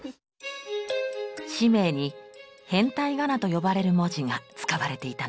氏名に変体仮名と呼ばれる文字が使われていたのです。